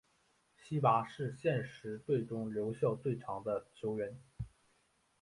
希拔是现时队中留效最长的球员。